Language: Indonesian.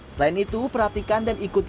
selain itu perhatikan dan ikuti